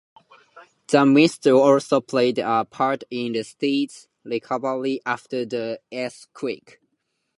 The mint also played a part in the city's recovery after the earthquake.